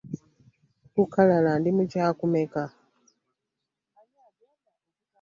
Ku lukalala ndi mu kyakumeka?